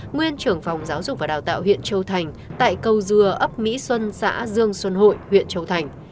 nguyên trưởng phòng giáo dục và đào tạo huyện châu thành tại câu dừa ấp mỹ xuân xã dương xuân hội huyện châu thành